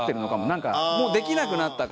なんかもうできなくなったから。